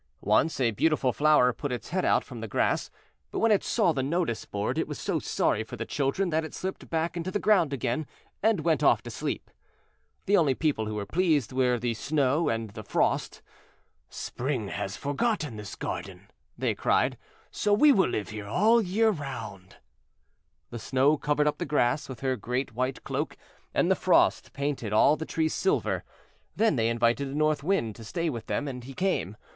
Once a beautiful flower put its head out from the grass, but when it saw the notice board it was so sorry for the children that it slipped back into the ground again, and went off to sleep. The only people who were pleased were the Snow and the Frost. "Spring has forgotten this garden," they cried, "so we will live here all the year round." The Snow covered up the grass with her great white cloak, and the Frost painted all the trees silver. Then they invited the North Wind to stay with them, and he came.